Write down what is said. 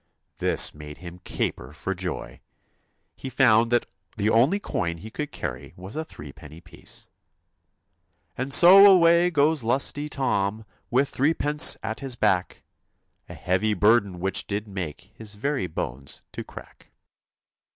This made him caper for joy. He found that the only coin he could carry was a threepenny piece. And so away goes lusty Tom, With threepence at his back, A heavy burden which did make His very bones to crack.